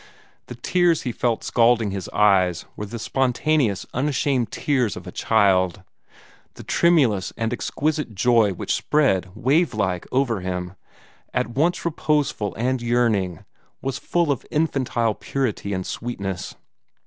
The tears he felt scalding his eyes were the spontaneous, unashamed tears of a child; the tremulous and exquisite joy which spread, wave like, over him, at once reposeful and yearning, was full of infantile purity and sweetness.